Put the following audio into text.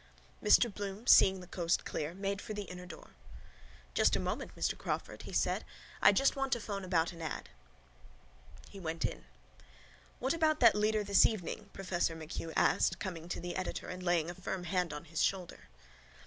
Mr Bloom, seeing the coast clear, made for the inner door. —Just a moment, Mr Crawford, he said. I just want to phone about an ad. He went in. —What about that leader this evening? professor MacHugh asked, coming to the editor and laying a firm hand on his shoulder.